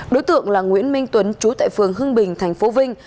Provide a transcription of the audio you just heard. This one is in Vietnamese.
đối tượng là nguyễn minh tuấn trú tại phường hưng bình tp vinh